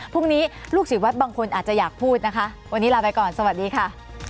พรุ่งนี้ลูกศิษย์บางคนอาจจะอยากพูดนะคะวันนี้ลาไปก่อนสวัสดีค่ะ